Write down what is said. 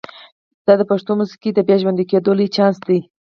دا د پښتو موسیقۍ د بیا ژوندي کېدو لوی چانس دی.